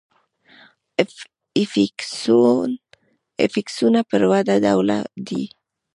افیکسونه پر وده ډوله دي.